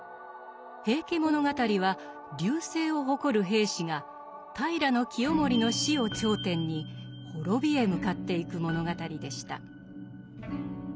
「平家物語」は隆盛を誇る平氏が平清盛の死を頂点に滅びへ向かっていく物語でした。